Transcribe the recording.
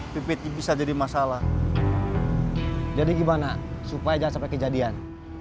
pipit bisa jadi masalah jadi gimana supaya jangan sampai kejadian